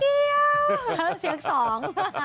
สเนียงสอง